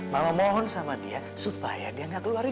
mama mohon sama dia supaya dia gak keluarin